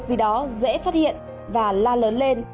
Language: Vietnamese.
khi đó dễ phát hiện và la lớn lên